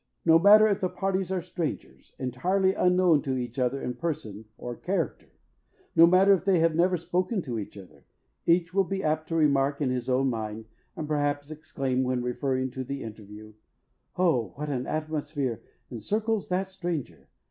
No matter if the parties are strangers, entirely unknown to each other in person or character; no matter if they have never spoken to each other, each will be apt to remark in his own mind, and perhaps exclaim, when referring to the interview "O what an atmosphere encircles that stranger!